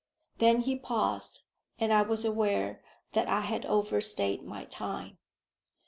Then he paused, and I was aware that I had overstayed my time.